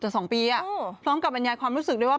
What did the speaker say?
แต่๒ปีพร้อมกับอัญญาความรู้สึกได้ว่า